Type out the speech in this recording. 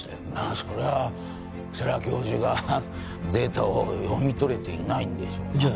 そりゃ世良教授がデータを読み取れていないんでしょうなじゃ